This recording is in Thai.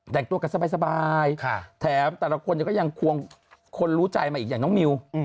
แต่งตัวกันสบายแถมแต่ละคนก็ยังควงคนรู้ใจมาอีกอย่างน้องมิว